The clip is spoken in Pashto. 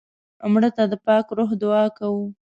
مړه ته د پاک روح دعا کوو